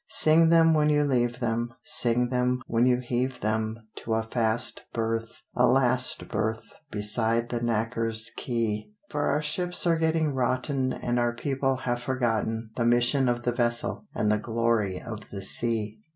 Sing them when you leave them Sing them when you heave them To a fast berth, a last berth beside the knackers quay; For our ships are getting rotten And our people have forgotten The mission of the vessel and the glory of the sea.